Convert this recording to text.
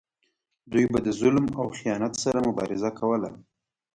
دوی به د ظلم او خیانت سره مبارزه کوله.